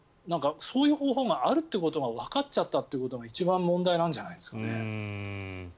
そういう方法があるってことがわかっちゃったことが一番問題なんじゃないですかね。